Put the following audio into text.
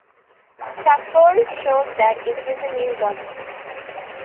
Safford showed that it was a new body.